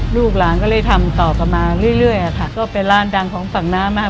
ลูกหลานก็เลยทำต่อกลับมาเรื่อยอะค่ะก็เป็นร้านดังของฝั่งน้ำมาก